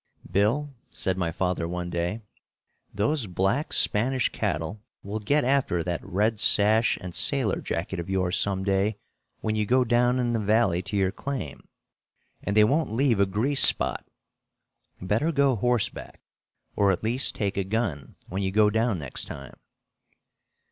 "Bill," said my father one day, "those black Spanish cattle will get after that red sash and sailor jacket of yours some day when you go down in the valley to your claim, and they won't leave a grease spot. Better go horseback, or at least take a gun, when you go down next time."